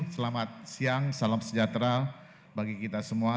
selamat siang salam sejahtera bagi kita semua